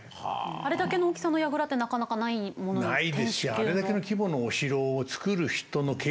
あれだけの大きさの櫓ってなかなかないものですね。